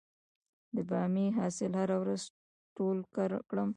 د بامیې حاصل هره ورځ ټول کړم؟